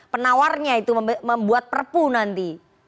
penawarnya itu membuat perpu nanti